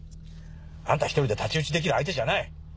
アンタ１人で太刀打ちできる相手じゃない！